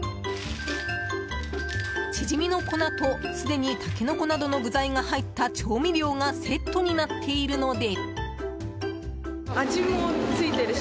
チヂミの粉と、すでにタケノコなどの具材が入った調味料がセットになっているので。